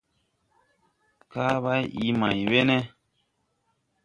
Kaa bày ii may we ?